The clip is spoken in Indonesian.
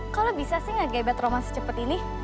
kalo bisa sih gak gebet roman secepet ini